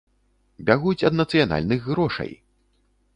Бягуць ад нацыянальных грошай!